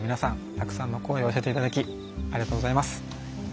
たくさんの声を寄せていただきありがとうございます。